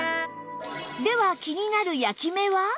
では気になる焼き目は？